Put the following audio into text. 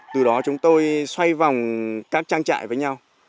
từ đó chúng tôi xoay vòng các trang trại với nhau